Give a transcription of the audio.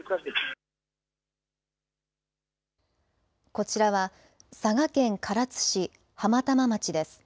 こちらは佐賀県唐津市浜玉町です。